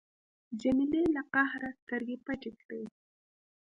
جمیلې له قهره سترګې پټې کړې.